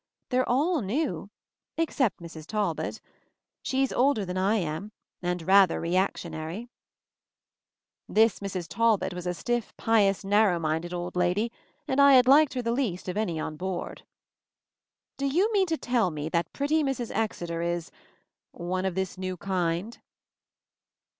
They're all new, ex cept Mrs. Talbot. She's older than I am, and rather reactionary." MOVING THE MOUNTAIN, 27 This Mrs. Talbot was a stiff, pious, nar row minded old lady, and I had liked her the least of any on board. "Do you mean to tell me that pretty Mrs. Exeter is — one of this new kind?"